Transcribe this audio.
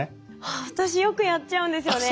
あっ私よくやっちゃうんですよね。